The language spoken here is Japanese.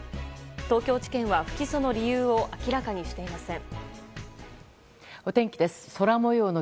東京地検は不起訴の理由を明らかにしていません。